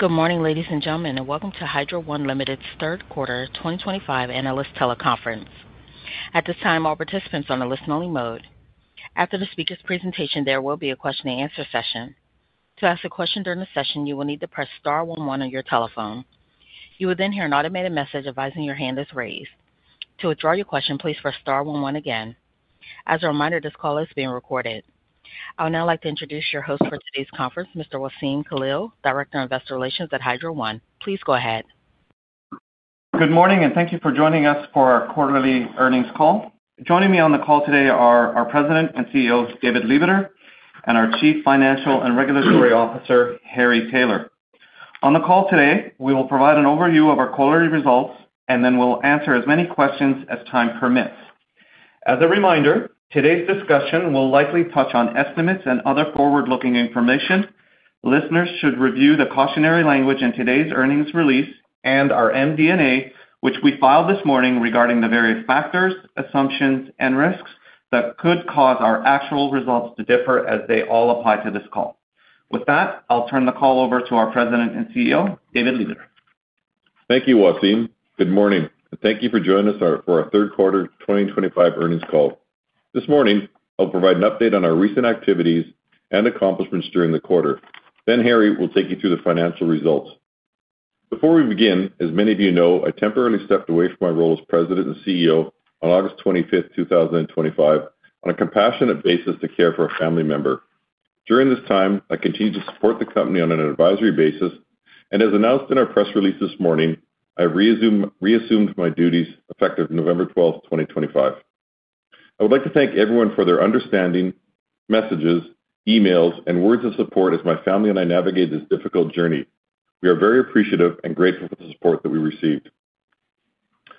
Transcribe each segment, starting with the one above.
Good morning, ladies and gentlemen, and welcome to Hydro One Limited's Third Quarter 2025 Analyst Teleconference. At this time, all participants are on a listen-only mode. After the speaker's presentation, there will be a question-and-answer session. To ask a question during the session, you will need to press star 11 on your telephone. You will then hear an automated message advising your hand is raised. To withdraw your question, please press star 11 again. As a reminder, this call is being recorded. I would now like to introduce your host for today's conference, Mr. Wassem Khalil, Director of Investor Relations at Hydro One. Please go ahead. Good morning, and thank you for joining us for our Quarterly Earnings Call. Joining me on the call today are our President and CEO, David Lebeter, and our Chief Financial and Regulatory Officer, Harry Taylor. On the call today, we will provide an overview of our quarterly results, and then we'll answer as many questions as time permits. As a reminder, today's discussion will likely touch on estimates and other forward-looking information. Listeners should review the cautionary language in today's earnings release and our MD&A, which we filed this morning regarding the various factors, assumptions, and risks that could cause our actual results to differ as they all apply to this call. With that, I'll turn the call over to our President and CEO, David Lebeter. Thank you, Wassem. Good morning, and thank you for joining us for our Third Quarter 2025 Earnings Call. This morning, I'll provide an update on our recent activities and accomplishments during the quarter. Harry will take you through the financial results. Before we begin, as many of you know, I temporarily stepped away from my role as President and CEO on August 25, 2025, on a compassionate basis to care for a family member. During this time, I continued to support the company on an advisory basis, and as announced in our press release this morning, I reassumed my duties effective November 12, 2025. I would like to thank everyone for their understanding, messages, emails, and words of support as my family and I navigated this difficult journey. We are very appreciative and grateful for the support that we received.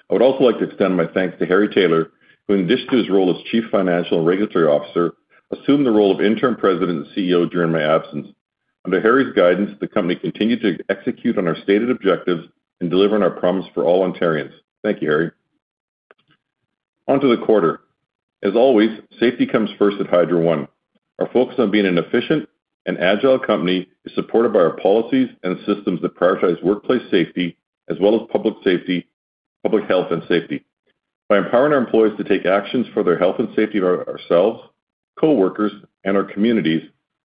I would also like to extend my thanks to Harry Taylor, who, in addition to his role as Chief Financial and Regulatory Officer, assumed the role of Interim President and CEO during my absence. Under Harry's guidance, the company continued to execute on our stated objectives and deliver on our promise for all Ontarians. Thank you, Harry. Onto the quarter. As always, safety comes first at Hydro One. Our focus on being an efficient and agile company is supported by our policies and systems that prioritize workplace safety as well as public safety, public health, and safety. By empowering our employees to take actions for their health and safety of ourselves, coworkers, and our communities,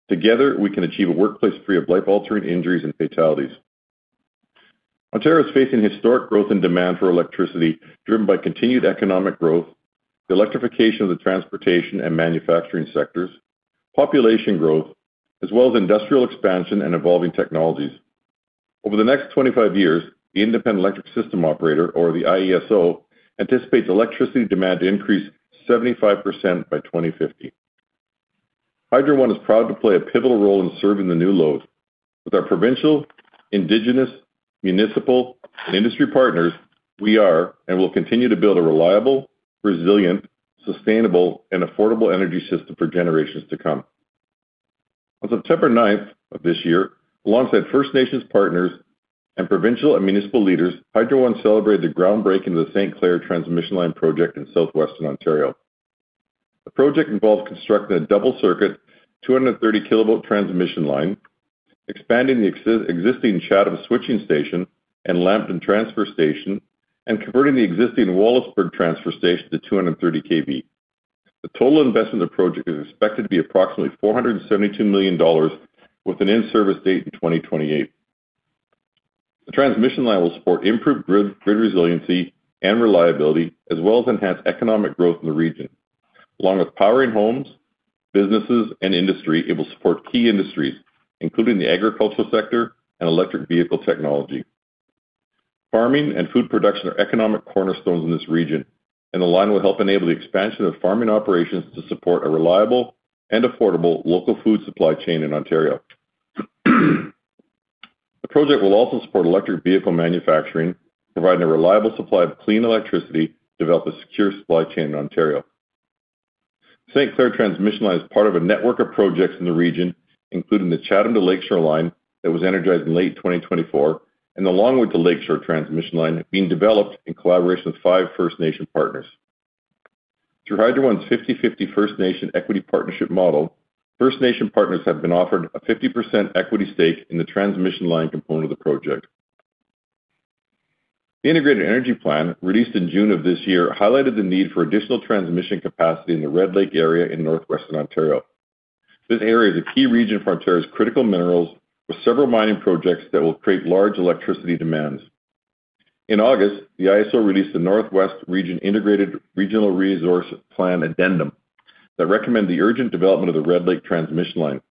together we can achieve a workplace free of life-altering injuries and fatalities. Ontario is facing historic growth in demand for electricity driven by continued economic growth, the electrification of the transportation and manufacturing sectors, population growth, as well as industrial expansion and evolving technologies. Over the next 25 years, the Independent Electricity System Operator, or the IESO, anticipates electricity demand to increase 75% by 2050. Hydro One is proud to play a pivotal role in serving the new load. With our provincial, Indigenous, municipal, and industry partners, we are and will continue to build a reliable, resilient, sustainable, and affordable energy system for generations to come. On September 9 of this year, alongside First Nations partners and provincial and municipal leaders, Hydro One celebrated the groundbreaking of the St. Clair Transmission Line project in southwestern Ontario. The project involved constructing a double-circuit 230 kV transmission line, expanding the existing Chatham switching station and Lampton transfer station, and converting the existing Wallisburg transfer station to 230 kV. The total investment of the project is expected to be approximately 472 million dollars, with an end service date in 2028. The transmission line will support improved grid resiliency and reliability, as well as enhance economic growth in the region. Along with powering homes, businesses, and industry, it will support key industries, including the agricultural sector and electric vehicle technology. Farming and food production are economic cornerstones in this region, and the line will help enable the expansion of farming operations to support a reliable and affordable local food supply chain in Ontario. The project will also support electric vehicle manufacturing, providing a reliable supply of clean electricity to develop a secure supply chain in Ontario. The St. Clair Transmission Line is part of a network of projects in the region, including the Chatham to Lakeshore Line that was energized in late 2024, and the Longwood to Lakeshore Transmission Line being developed in collaboration with five First Nation partners. Through Hydro One's 50/50 First Nation Equity Partnership model, First Nation partners have been offered a 50% equity stake in the transmission line component of the project. The Integrated Energy Plan, released in June of this year, highlighted the need for additional transmission capacity in the Red Lake area in northwestern Ontario. This area is a key region for Ontario's critical minerals, with several mining projects that will create large electricity demands. In August, the IESO released the Northwest Region Integrated Regional Resource Plan addendum that recommended the urgent development of the Red Lake Transmission Line.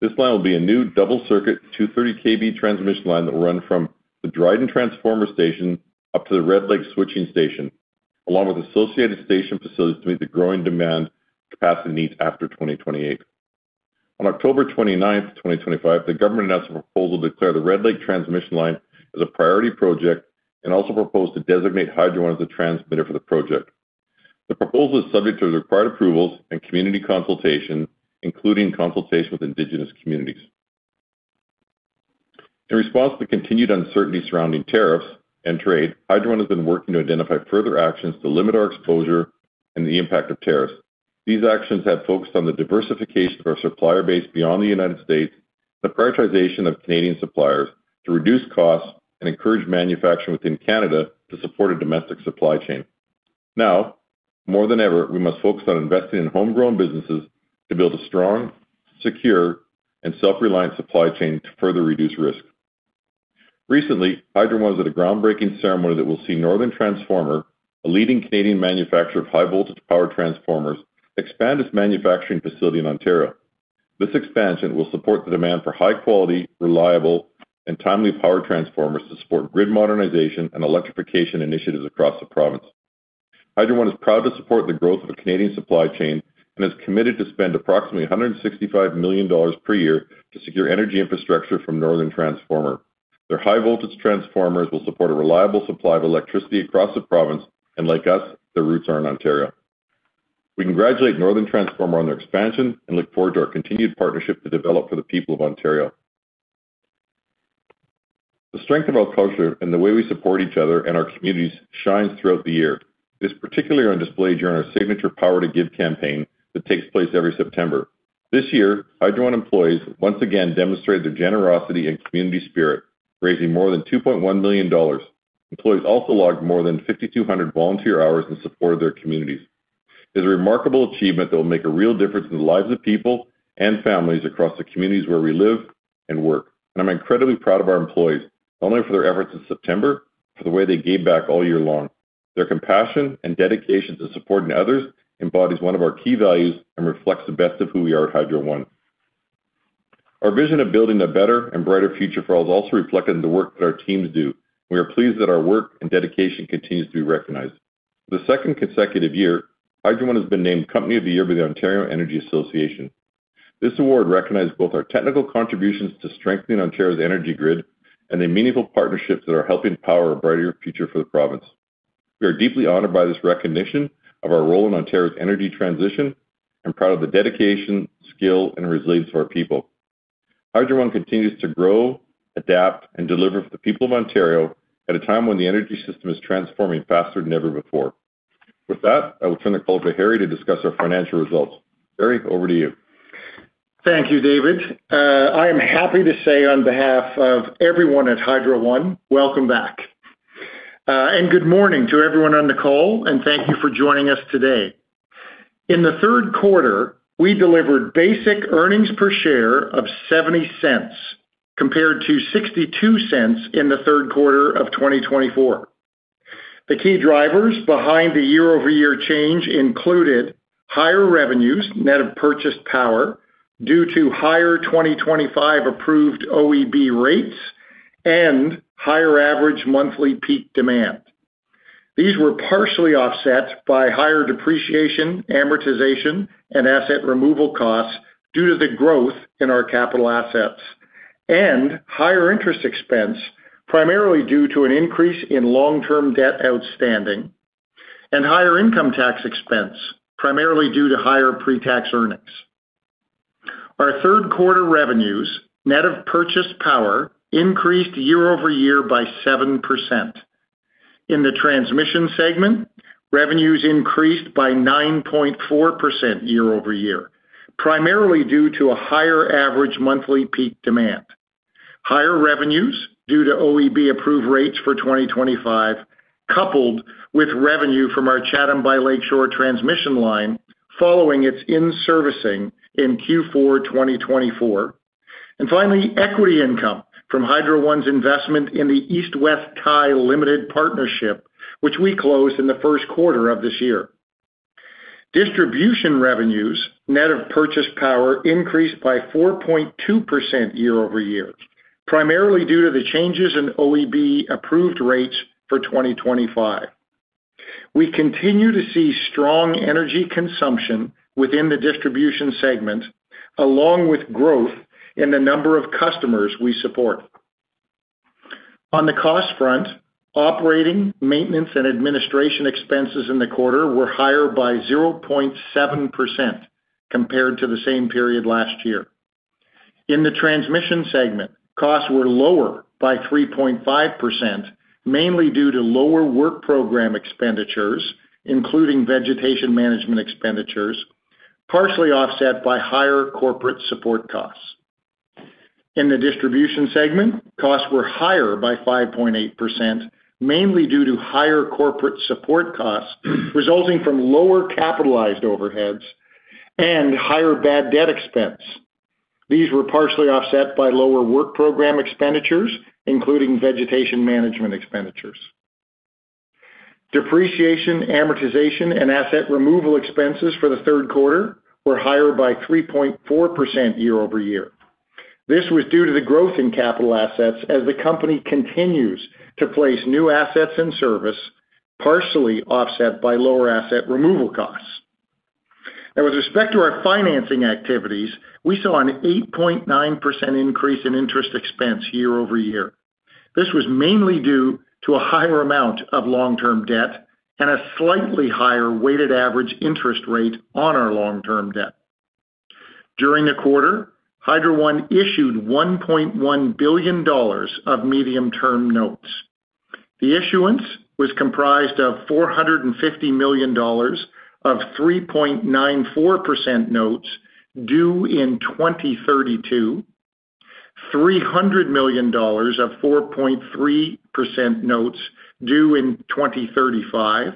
This line will be a new double-circuit 230 kV transmission line that will run from the Dryden transformer station up to the Red Lake switching station, along with associated station facilities to meet the growing demand capacity needs after 2028. On October 29, 2025, the government announced a proposal to declare the Red Lake Transmission Line as a priority project and also proposed to designate Hydro One as the transmitter for the project. The proposal is subject to the required approvals and community consultation, including consultation with indigenous communities. In response to the continued uncertainty surrounding tariffs and trade, Hydro One has been working to identify further actions to limit our exposure and the impact of tariffs. These actions have focused on the diversification of our supplier base beyond the U.S. and the prioritization of Canadian suppliers to reduce costs and encourage manufacturing within Canada to support a domestic supply chain. Now, more than ever, we must focus on investing in homegrown businesses to build a strong, secure, and self-reliant supply chain to further reduce risk. Recently, Hydro One was at a groundbreaking ceremony that will see Northern Transformer, a leading Canadian manufacturer of high-voltage power transformers, expand its manufacturing facility in Ontario. This expansion will support the demand for high-quality, reliable, and timely power transformers to support grid modernization and electrification initiatives across the province. Hydro One is proud to support the growth of a Canadian supply chain and is committed to spend approximately 165 million dollars per year to secure energy infrastructure from Northern Transformer. Their high-voltage transformers will support a reliable supply of electricity across the province, and like us, their roots are in Ontario. We congratulate Northern Transformer on their expansion and look forward to our continued partnership to develop for the people of Ontario. The strength of our culture and the way we support each other and our communities shines throughout the year. This particularly is on display during our signature Power to Give campaign that takes place every September. This year, Hydro One employees once again demonstrated their generosity and community spirit, raising more than 2.1 million dollars. Employees also logged more than 5,200 volunteer hours in support of their communities. It is a remarkable achievement that will make a real difference in the lives of people and families across the communities where we live and work. I'm incredibly proud of our employees, not only for their efforts in September, but for the way they gave back all year long. Their compassion and dedication to supporting others embodies one of our key values and reflects the best of who we are at Hydro One. Our vision of building a better and brighter future for all is also reflected in the work that our teams do. We are pleased that our work and dedication continue to be recognized. For the second consecutive year, Hydro One has been named Company of the Year by the Ontario Energy Association. This award recognizes both our technical contributions to strengthening Ontario's energy grid and the meaningful partnerships that are helping power a brighter future for the province. We are deeply honored by this recognition of our role in Ontario's energy transition and proud of the dedication, skill, and resilience of our people. Hydro One continues to grow, adapt, and deliver for the people of Ontario at a time when the energy system is transforming faster than ever before. With that, I will turn the call to Harry to discuss our financial results. Harry, over to you. Thank you, David. I am happy to say on behalf of everyone at Hydro One, welcome back. Good morning to everyone on the call, and thank you for joining us today. In the third quarter, we delivered basic earnings per share of 0.70 compared to 0.62 in the third quarter of 2024. The key drivers behind the year-over-year change included higher revenues net of purchased power due to higher 2025-approved OEB rates and higher average monthly peak demand. These were partially offset by higher depreciation, amortization, and asset removal costs due to the growth in our capital assets, and higher interest expense, primarily due to an increase in long-term debt outstanding, and higher income tax expense, primarily due to higher pre-tax earnings. Our third-quarter revenues net of purchased power increased year-over-year by 7%. In the transmission segment, revenues increased by 9.4% year-over-year, primarily due to a higher average monthly peak demand. Higher revenues due to OEB-approved rates for 2025, coupled with revenue from our Chatham by Lakeshore Transmission Line following its in-servicing in Q4 2024. Finally, equity income from Hydro One's investment in the East-West Tie Limited Partnership, which we closed in the first quarter of this year. Distribution revenues net of purchased power increased by 4.2% year-over-year, primarily due to the changes in OEB-approved rates for 2025. We continue to see strong energy consumption within the distribution segment, along with growth in the number of customers we support. On the cost front, operating, maintenance, and administration expenses in the quarter were higher by 0.7% compared to the same period last year. In the transmission segment, costs were lower by 3.5%, mainly due to lower work program expenditures, including vegetation management expenditures, partially offset by higher corporate support costs. In the distribution segment, costs were higher by 5.8%, mainly due to higher corporate support costs resulting from lower capitalized overheads and higher bad debt expense. These were partially offset by lower work program expenditures, including vegetation management expenditures. Depreciation, amortization, and asset removal expenses for the third quarter were higher by 3.4% year-over-year. This was due to the growth in capital assets as the company continues to place new assets in service, partially offset by lower asset removal costs. With respect to our financing activities, we saw an 8.9% increase in interest expense year-over-year. This was mainly due to a higher amount of long-term debt and a slightly higher weighted average interest rate on our long-term debt. During the quarter, Hydro One issued 1.1 billion dollars of medium-term notes. The issuance was comprised of 450 million dollars of 3.94% notes due in 2032, CAD 300 million of 4.3% notes due in 2035,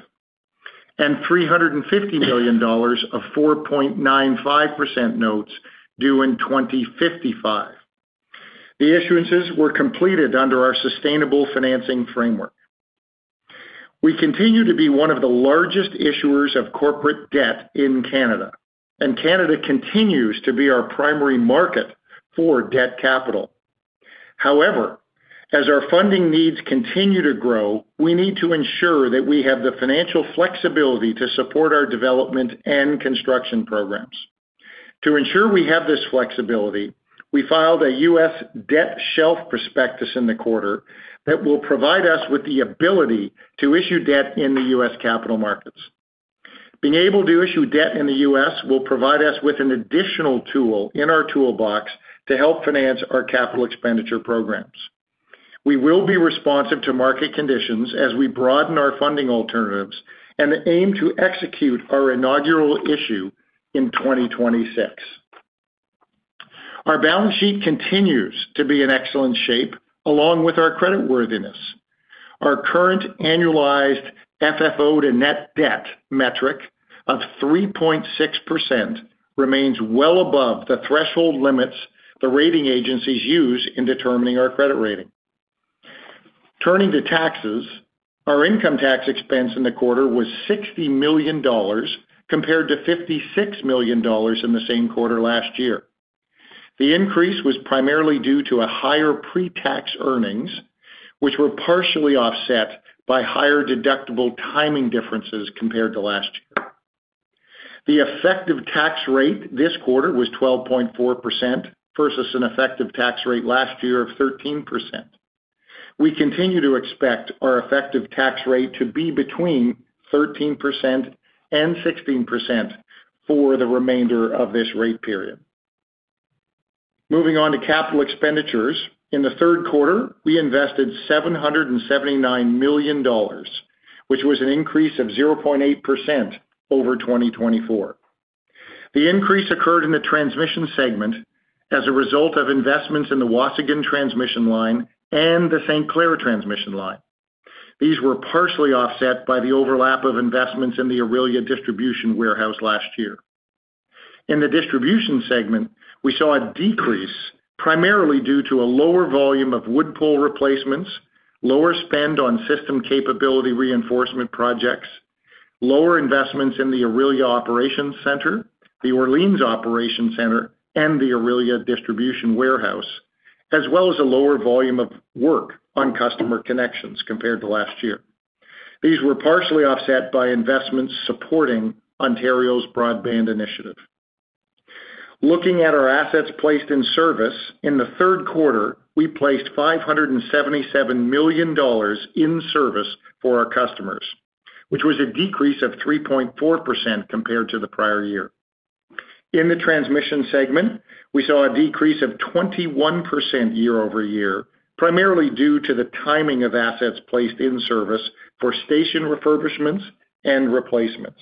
and 350 million dollars of 4.95% notes due in 2055. The issuances were completed under our sustainable financing framework. We continue to be one of the largest issuers of corporate debt in Canada, and Canada continues to be our primary market for debt capital. However, as our funding needs continue to grow, we need to ensure that we have the financial flexibility to support our development and construction programs. To ensure we have this flexibility, we filed a U.S. Debt Shelf Prospectus in the quarter that will provide us with the ability to issue debt in the U.S. capital markets. Being able to issue debt in the U.S. will provide us with an additional tool in our toolbox to help finance our capital expenditure programs. We will be responsive to market conditions as we broaden our funding alternatives and aim to execute our inaugural issue in 2026. Our balance sheet continues to be in excellent shape, along with our creditworthiness. Our current annualized FFO to net debt metric of 3.6% remains well above the threshold limits the rating agencies use in determining our credit rating. Turning to taxes, our income tax expense in the quarter was 60 million dollars compared to 56 million dollars in the same quarter last year. The increase was primarily due to higher pre-tax earnings, which were partially offset by higher deductible timing differences compared to last year. The effective tax rate this quarter was 12.4% versus an effective tax rate last year of 13%. We continue to expect our effective tax rate to be between 13% and 16% for the remainder of this rate period. Moving on to capital expenditures, in the third quarter, we invested 779 million dollars, which was an increase of 0.8% over 2024. The increase occurred in the transmission segment as a result of investments in the Waasigan transmission line and the St. Clair transmission line. These were partially offset by the overlap of investments in the Aurelia distribution warehouse last year. In the distribution segment, we saw a decrease primarily due to a lower volume of wood pole replacements, lower spend on system capability reinforcement projects, lower investments in the Aurelia Operations Center, the Orleans Operations Center, and the Aurelia distribution warehouse, as well as a lower volume of work on customer connections compared to last year. These were partially offset by investments supporting Ontario's broadband initiative. Looking at our assets placed in service, in the third quarter, we placed 577 million dollars in service for our customers, which was a decrease of 3.4% compared to the prior year. In the transmission segment, we saw a decrease of 21% year-over-year, primarily due to the timing of assets placed in service for station refurbishments and replacements.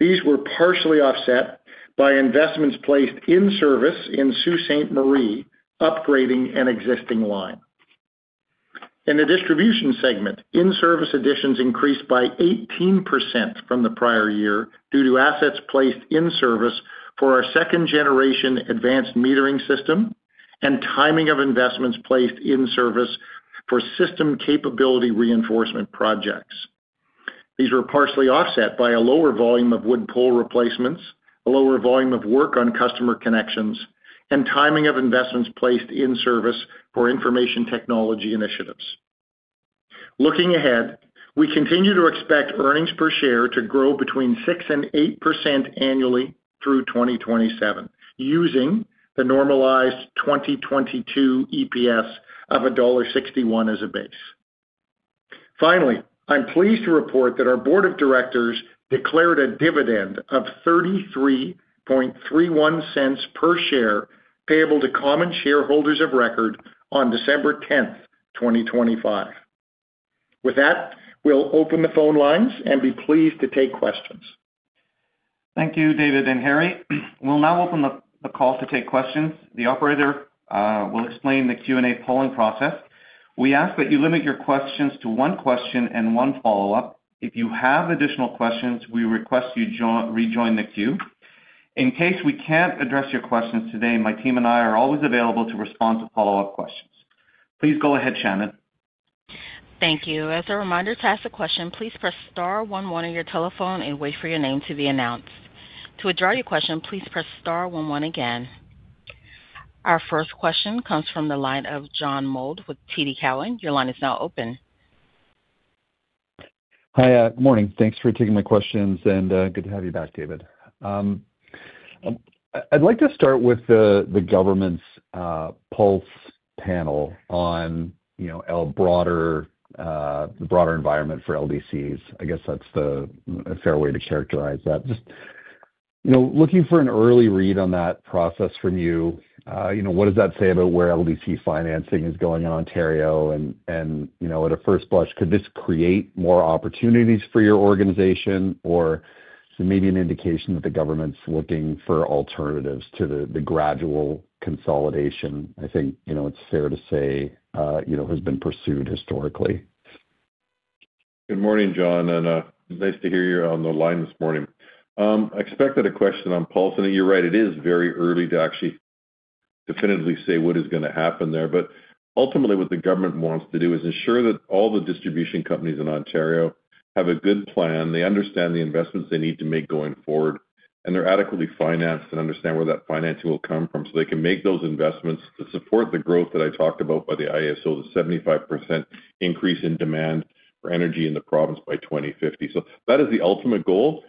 These were partially offset by investments placed in service in Sault Ste. Marie upgrading an existing line. In the distribution segment, in-service additions increased by 18% from the prior year due to assets placed in service for our second-generation advanced metering system and timing of investments placed in service for system capability reinforcement projects. These were partially offset by a lower volume of wood pole replacements, a lower volume of work on customer connections, and timing of investments placed in service for information technology initiatives. Looking ahead, we continue to expect earnings per share to grow between 6% and 8% annually through 2027, using the normalized 2022 EPS of dollar 1.61 as a base. Finally, I'm pleased to report that our board of directors declared a dividend of 33.31 per share payable to common shareholders of record on December 10, 2025. With that, we'll open the phone lines and be pleased to take questions. Thank you, David and Harry. We'll now open the call to take questions. The operator will explain the Q&A polling process. We ask that you limit your questions to one question and one follow-up. If you have additional questions, we request you rejoin the queue. In case we can't address your questions today, my team and I are always available to respond to follow-up questions. Please go ahead, Shannon. Thank you. As a reminder to ask a question, please press star 11 on your telephone and wait for your name to be announced. To withdraw your question, please press star 11 again. Our first question comes from the line of John Mould with TD Cowen. Your line is now open. Hi, good morning. Thanks for taking my questions, and good to have you back, David. I'd like to start with the government's pulse panel on the broader environment for LDCs. I guess that's a fair way to characterize that. Just looking for an early read on that process from you, what does that say about where LDC financing is going in Ontario? At a first blush, could this create more opportunities for your organization, or is it maybe an indication that the government's looking for alternatives to the gradual consolidation, I think it's fair to say, has been pursued historically? Good morning, John, and it's nice to hear you're on the line this morning. I expected a question on pulse, and you're right, it is very early to actually definitively say what is going to happen there. Ultimately, what the government wants to do is ensure that all the distribution companies in Ontario have a good plan, they understand the investments they need to make going forward, and they're adequately financed and understand where that financing will come from so they can make those investments to support the growth that I talked about by the IESO, the 75% increase in demand for energy in the province by 2050. That is the ultimate goal.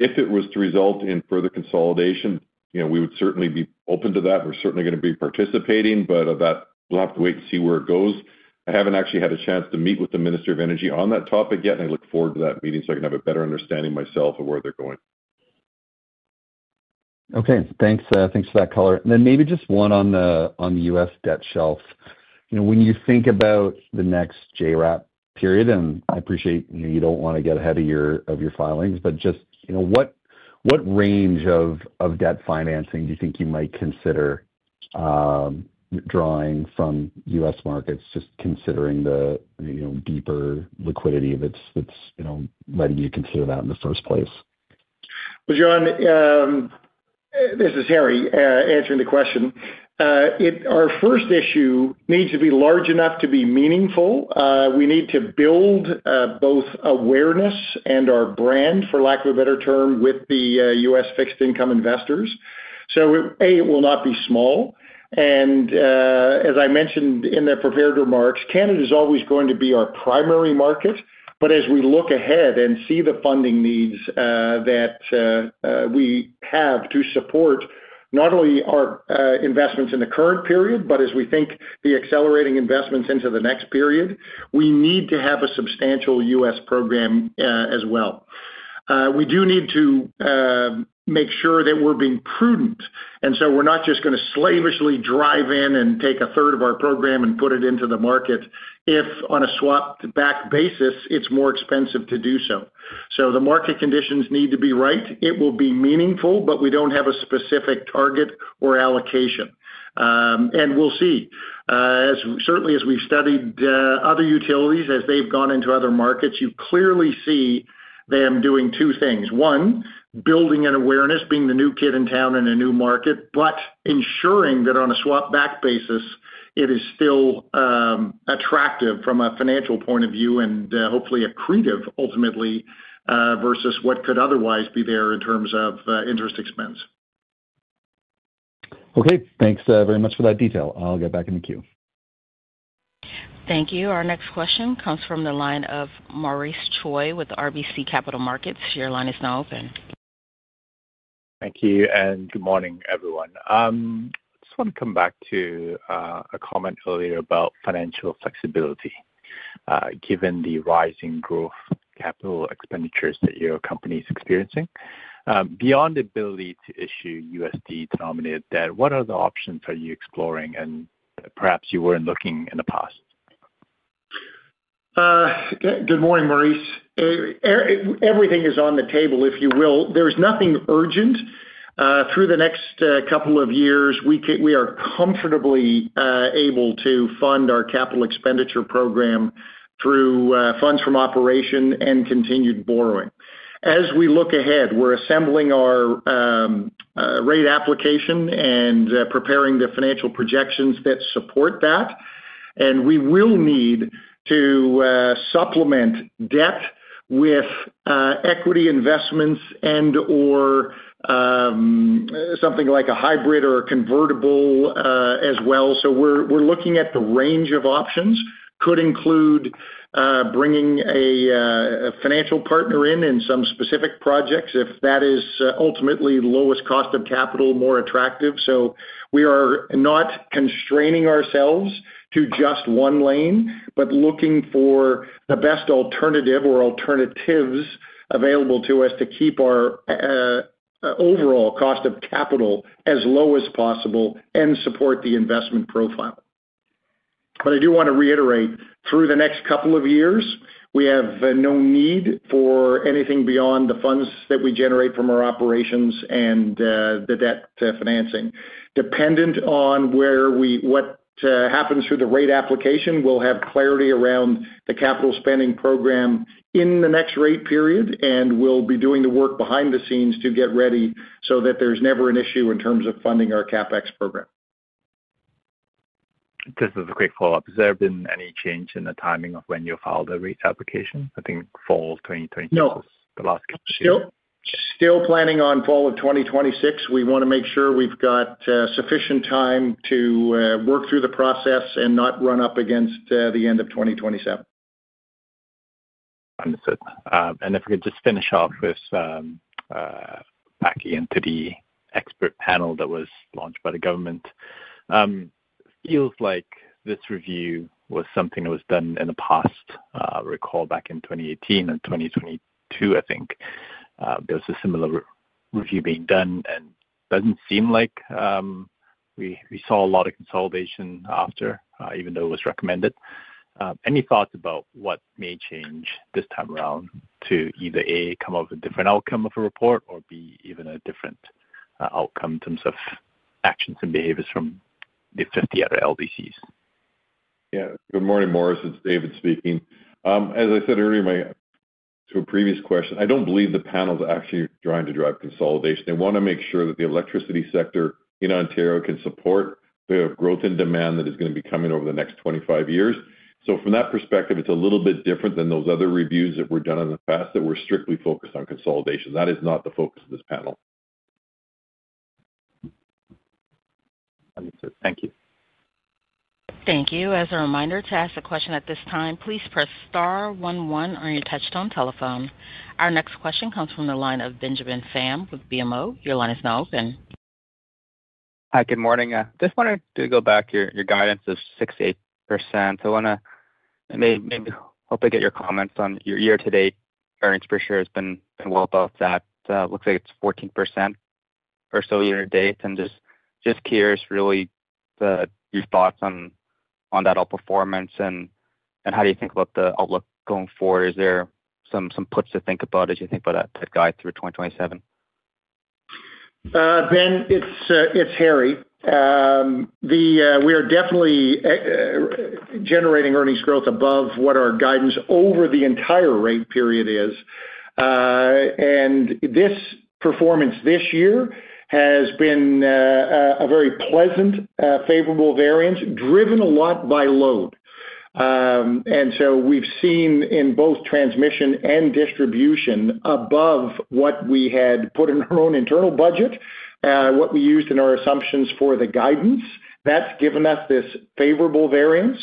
If it was to result in further consolidation, we would certainly be open to that. We're certainly going to be participating, but we'll have to wait and see where it goes. I haven't actually had a chance to meet with the Minister of Energy on that topic yet, and I look forward to that meeting so I can have a better understanding myself of where they're going. Okay. Thanks for that, Caller. Maybe just one on the U.S. debt shelf. When you think about the next JRAP period, and I appreciate you do not want to get ahead of your filings, but just what range of debt financing do you think you might consider drawing from U.S. markets, just considering the deeper liquidity of it that is letting you consider that in the first place? John, this is Harry answering the question. Our first issue needs to be large enough to be meaningful. We need to build both awareness and our brand, for lack of a better term, with the U.S. fixed-income investors. A, it will not be small. As I mentioned in the prepared remarks, Canada is always going to be our primary market. As we look ahead and see the funding needs that we have to support not only our investments in the current period, but as we think the accelerating investments into the next period, we need to have a substantial U.S. program as well. We do need to make sure that we're being prudent. We're not just going to slavishly drive in and take a third of our program and put it into the market if on a swapped-back basis it's more expensive to do so. The market conditions need to be right. It will be meaningful, but we don't have a specific target or allocation. We'll see. Certainly, as we've studied other utilities, as they've gone into other markets, you clearly see them doing two things. One, building an awareness, being the new kid in town in a new market, but ensuring that on a swapped-back basis, it is still attractive from a financial point of view and hopefully accretive ultimately versus what could otherwise be there in terms of interest expense. Okay. Thanks very much for that detail. I'll get back in the queue. Thank you. Our next question comes from the line of Maurice Choy with RBC Capital Markets. Your line is now open. Thank you, and good morning, everyone. I just want to come back to a comment earlier about financial flexibility given the rising growth capital expenditures that your company is experiencing. Beyond the ability to issue USD-denominated debt, what other options are you exploring and perhaps you were not looking in the past? Good morning, Maurice. Everything is on the table, if you will. There is nothing urgent. Through the next couple of years, we are comfortably able to fund our capital expenditure program through funds from operation and continued borrowing. As we look ahead, we are assembling our rate application and preparing the financial projections that support that. We will need to supplement debt with equity investments and/or something like a hybrid or a convertible as well. We are looking at the range of options. Could include bringing a financial partner in in some specific projects if that is ultimately the lowest cost of capital, more attractive. We are not constraining ourselves to just one lane, but looking for the best alternative or alternatives available to us to keep our overall cost of capital as low as possible and support the investment profile. I do want to reiterate, through the next couple of years, we have no need for anything beyond the funds that we generate from our operations and the debt financing. Dependent on what happens through the rate application, we'll have clarity around the capital spending program in the next rate period, and we'll be doing the work behind the scenes to get ready so that there's never an issue in terms of funding our CapEx program. Just as a quick follow-up, has there been any change in the timing of when you filed the rate application? I think fall 2026 was the last couple of years. No, still planning on fall of 2026. We want to make sure we've got sufficient time to work through the process and not run up against the end of 2027. Understood. If we could just finish off with backing into the expert panel that was launched by the government. It feels like this review was something that was done in the past. I recall back in 2018 and 2022, I think there was a similar review being done, and it does not seem like we saw a lot of consolidation after, even though it was recommended. Any thoughts about what may change this time around to either A, come up with a different outcome of a report, or B, even a different outcome in terms of actions and behaviors from just the other LDCs? Yeah. Good morning, Maurice. It's David speaking. As I said earlier, to a previous question, I don't believe the panel's actually trying to drive consolidation. They want to make sure that the electricity sector in Ontario can support the growth in demand that is going to be coming over the next 25 years. From that perspective, it's a little bit different than those other reviews that were done in the past that were strictly focused on consolidation. That is not the focus of this panel. Understood. Thank you. Thank you. As a reminder to ask a question at this time, please press star 11 on your touchstone telephone. Our next question comes from the line of Benjamin Pham with BMO. Your line is now open. Hi, good morning. I just wanted to go back to your guidance of 68%. I want to maybe hope I get your comments on your year-to-date earnings per share has been well above that. Looks like it's 14% or so year-to-date. Just curious, really, your thoughts on that outperformance and how do you think about the outlook going forward? Is there some puts to think about as you think about that guide through 2027? Ben, it's Harry. We are definitely generating earnings growth above what our guidance over the entire rate period is. This performance this year has been a very pleasant, favorable variance, driven a lot by load. We have seen in both transmission and distribution above what we had put in our own internal budget, what we used in our assumptions for the guidance. That has given us this favorable variance.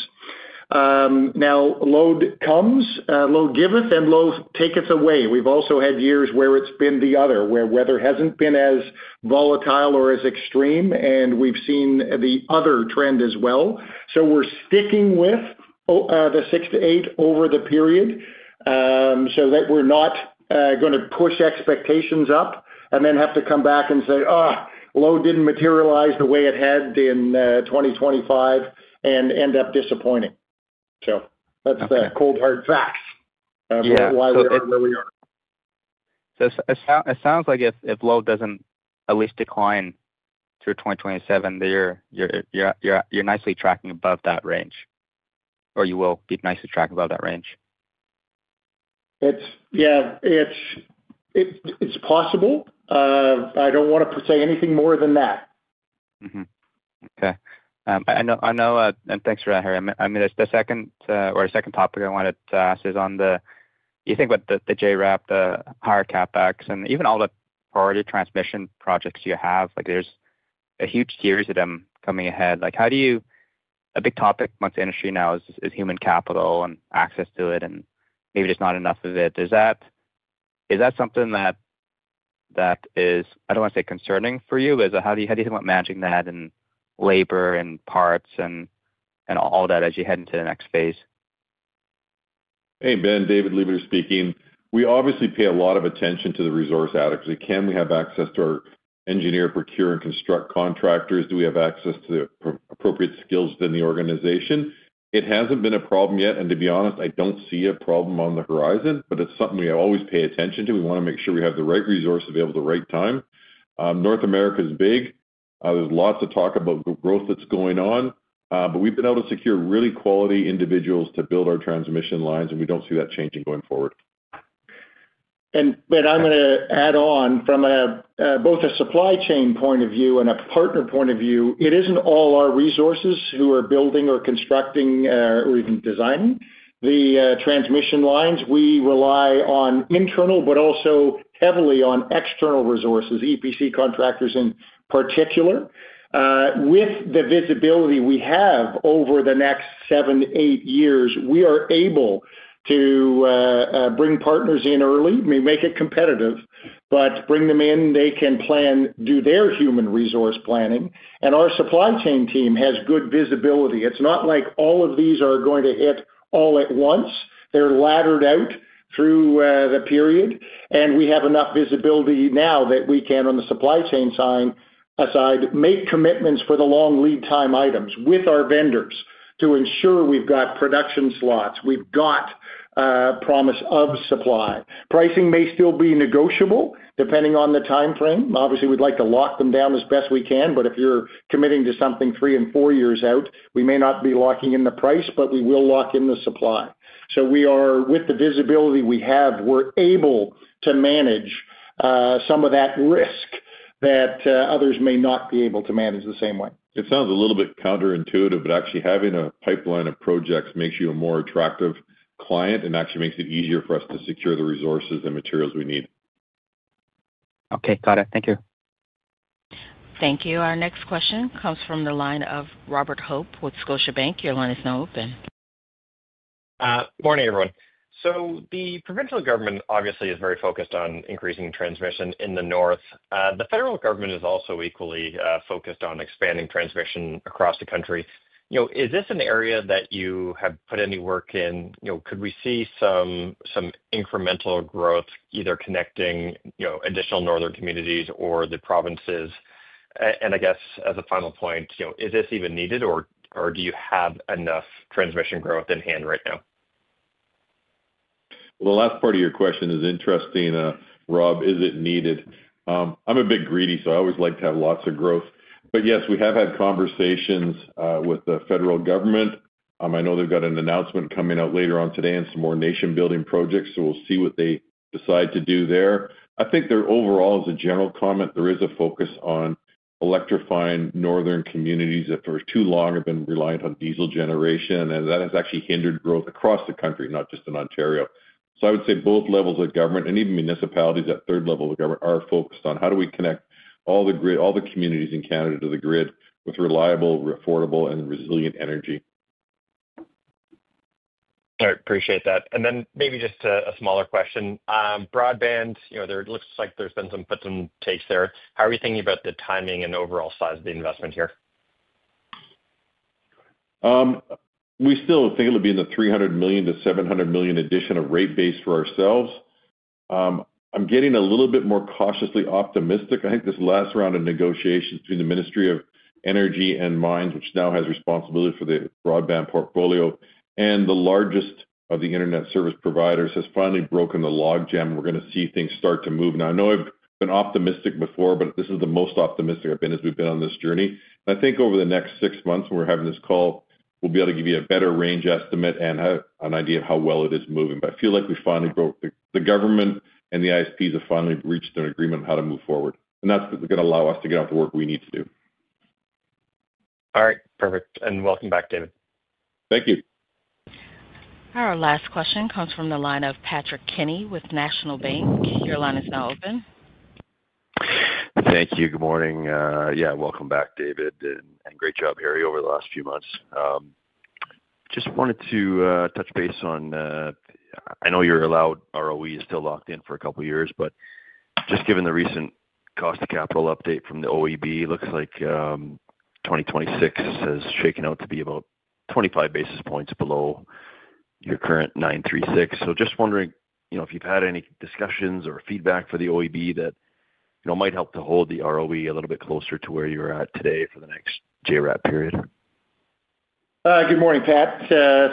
Now, load comes, load giveth, and load taketh away. We have also had years where it has been the other, where weather has not been as volatile or as extreme, and we have seen the other trend as well. We are sticking with the 6-8 over the period so that we are not going to push expectations up and then have to come back and say, "Oh, load did not materialize the way it had in 2025," and end up disappointing. That's the cold hard facts of why we're where we are. It sounds like if load does not at least decline through 2027, you are nicely tracking above that range, or you will be nicely tracking above that range. Yeah, it's possible. I don't want to say anything more than that. Okay. I know, and thanks for that, Harry. I mean, the second or second topic I wanted to ask is on the, you think about the JRAP, the higher CapEx, and even all the priority transmission projects you have, there's a huge series of them coming ahead. A big topic amongst the industry now is human capital and access to it, and maybe just not enough of it. Is that something that is, I don't want to say concerning for you, but how do you think about managing that and labor and parts and all that as you head into the next phase? Hey, Ben, David Lebeter speaking. We obviously pay a lot of attention to the resource adequacy. Can we have access to our engineer, procure, construct contractors? Do we have access to appropriate skills within the organization? It has not been a problem yet. To be honest, I do not see a problem on the horizon, but it is something we always pay attention to. We want to make sure we have the right resources available at the right time. North America is big. There is lots of talk about growth that is going on, but we have been able to secure really quality individuals to build our transmission lines, and we do not see that changing going forward. I am going to add on from both a supply chain point of view and a partner point of view. It is not all our resources who are building or constructing or even designing the transmission lines. We rely on internal, but also heavily on external resources, EPC contractors in particular. With the visibility we have over the next seven, eight years, we are able to bring partners in early, make it competitive, but bring them in. They can plan, do their human resource planning. Our supply chain team has good visibility. It is not like all of these are going to hit all at once. They are laddered out through the period. We have enough visibility now that we can, on the supply chain side, make commitments for the long lead time items with our vendors to ensure we have got production slots. We have got promise of supply. Pricing may still be negotiable depending on the time frame. Obviously, we'd like to lock them down as best we can, but if you're committing to something three and four years out, we may not be locking in the price, but we will lock in the supply. With the visibility we have, we're able to manage some of that risk that others may not be able to manage the same way. It sounds a little bit counterintuitive, but actually having a pipeline of projects makes you a more attractive client and actually makes it easier for us to secure the resources and materials we need. Okay. Got it. Thank you. Thank you. Our next question comes from the line of Robert Hope with Scotiabank. Your line is now open. Good morning, everyone. The provincial government obviously is very focused on increasing transmission in the north. The federal government is also equally focused on expanding transmission across the country. Is this an area that you have put any work in? Could we see some incremental growth, either connecting additional northern communities or the provinces? I guess as a final point, is this even needed, or do you have enough transmission growth in hand right now? The last part of your question is interesting, Rob. Is it needed? I'm a bit greedy, so I always like to have lots of growth. Yes, we have had conversations with the federal government. I know they've got an announcement coming out later on today and some more nation-building projects, so we'll see what they decide to do there. I think there overall is a general comment. There is a focus on electrifying northern communities that for too long have been reliant on diesel generation, and that has actually hindered growth across the country, not just in Ontario. I would say both levels of government and even municipalities at third level of government are focused on how do we connect all the communities in Canada to the grid with reliable, affordable, and resilient energy. All right. Appreciate that. Maybe just a smaller question. Broadband, it looks like there's been some puts and takes there. How are you thinking about the timing and overall size of the investment here? We still think it'll be in the 300 million-700 million addition of rate base for ourselves. I'm getting a little bit more cautiously optimistic. I think this last round of negotiations between the Ministry of Energy and Mines, which now has responsibility for the broadband portfolio, and the largest of the internet service providers has finally broken the logjam, and we're going to see things start to move. Now, I know I've been optimistic before, but this is the most optimistic I've been as we've been on this journey. I think over the next six months when we're having this call, we'll be able to give you a better range estimate and an idea of how well it is moving. I feel like we finally broke the government and the ISPs have finally reached an agreement on how to move forward. That is going to allow us to get out the work we need to do. All right. Perfect. Welcome back, David. Thank you. Our last question comes from the line of Patrick Kenny with National Bank. Your line is now open. Thank you. Good morning. Yeah, welcome back, David, and great job, Harry, over the last few months. Just wanted to touch base on I know your allowed ROE is still locked in for a couple of years, but just given the recent cost of capital update from the OEB, it looks like 2026 has shaken out to be about 25 basis points below your current 9.36. So just wondering if you've had any discussions or feedback for the OEB that might help to hold the ROE a little bit closer to where you're at today for the next JRAP period. Good morning, Pat.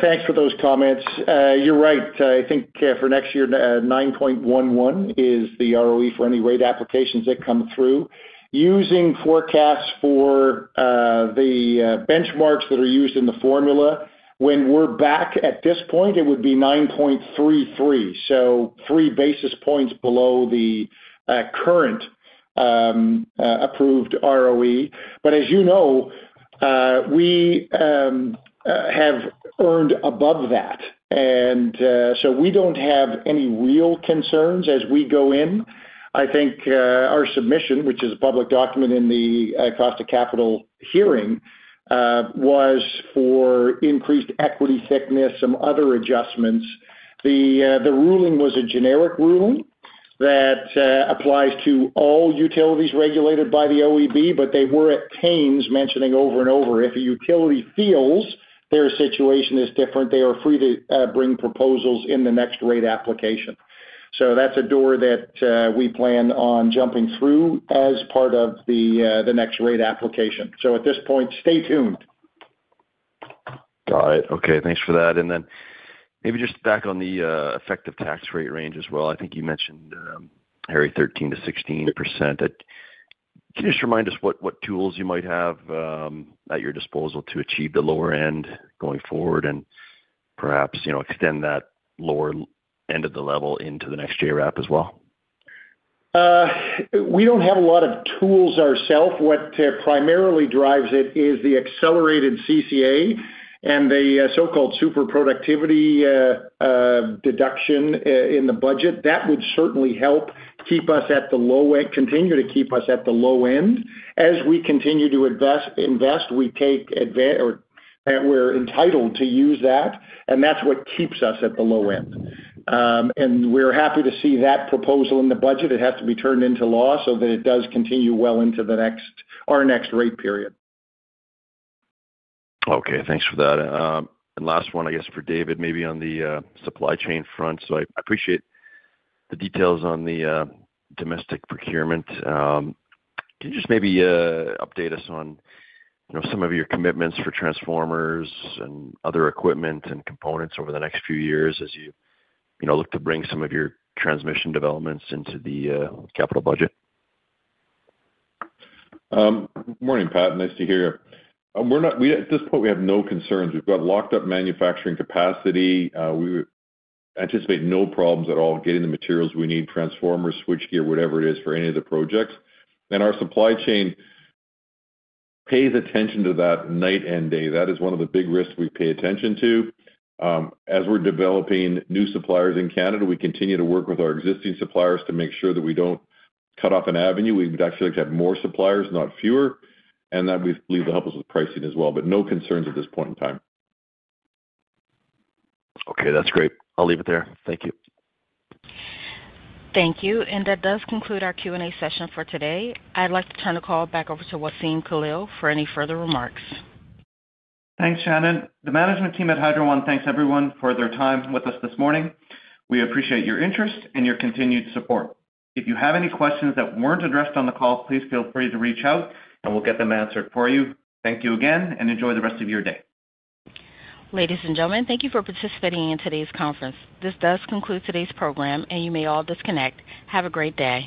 Thanks for those comments. You're right. I think for next year, 9.11% is the ROE for any rate applications that come through. Using forecasts for the benchmarks that are used in the formula, when we're back at this point, it would be 9.33%, so three basis points below the current approved ROE. As you know, we have earned above that. We don't have any real concerns as we go in. I think our submission, which is a public document in the cost of capital hearing, was for increased equity thickness, some other adjustments. The ruling was a generic ruling that applies to all utilities regulated by the OEB, but they were at pains mentioning over and over, if a utility feels their situation is different, they are free to bring proposals in the next rate application. That's a door that we plan on jumping through as part of the next rate application. At this point, stay tuned. Got it. Okay. Thanks for that. Maybe just back on the effective tax rate range as well. I think you mentioned, Harry, 13-16%. Can you just remind us what tools you might have at your disposal to achieve the lower end going forward and perhaps extend that lower end of the level into the next JRAP as well? We do not have a lot of tools ourselves. What primarily drives it is the accelerated CCA and the so-called super productivity deduction in the budget. That would certainly help keep us at the low end, continue to keep us at the low end. As we continue to invest, we take advantage or we are entitled to use that, and that is what keeps us at the low end. We are happy to see that proposal in the budget. It has to be turned into law so that it does continue well into our next rate period. Okay. Thanks for that. Last one, I guess, for David, maybe on the supply chain front. I appreciate the details on the domestic procurement. Can you just maybe update us on some of your commitments for transformers and other equipment and components over the next few years as you look to bring some of your transmission developments into the capital budget? Morning, Pat. Nice to hear you. At this point, we have no concerns. We have got locked-up manufacturing capacity. We anticipate no problems at all getting the materials we need, transformers, switchgear, whatever it is for any of the projects. Our supply chain pays attention to that night and day. That is one of the big risks we pay attention to. As we are developing new suppliers in Canada, we continue to work with our existing suppliers to make sure that we do not cut off an avenue. We would actually like to have more suppliers, not fewer, and that we believe will help us with pricing as well. No concerns at this point in time. Okay. That's great. I'll leave it there. Thank you. Thank you. That does conclude our Q&A session for today. I'd like to turn the call back over to Wassem Khalil for any further remarks. Thanks, Shannon. The management team at Hydro One, thanks everyone for their time with us this morning. We appreciate your interest and your continued support. If you have any questions that were not addressed on the call, please feel free to reach out, and we will get them answered for you. Thank you again, and enjoy the rest of your day. Ladies and gentlemen, thank you for participating in today's conference. This does conclude today's program, and you may all disconnect. Have a great day.